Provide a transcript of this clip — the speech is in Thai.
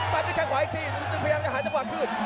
ตั้งเดี๋ยวแข้งขวาอีกทีดนตรีภายใจชะคืน